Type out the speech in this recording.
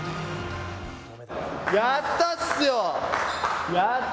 やったっすよ！